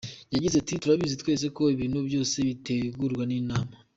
Yagize ati: “Turabizi twese ko ibintu byose bitegurwa n’Imana.